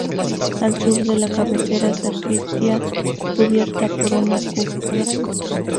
Al sur de la cabecera, sacristía cubierta por una cúpula.